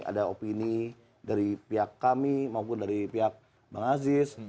ada opini dari pihak kami maupun dari pihak bang aziz